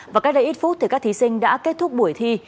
và cách đây ít phút các thí sinh đã kết thúc buổi thi